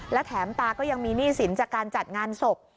และแถมตาก็ยังมีหนี้สินจากการจัดงานศพ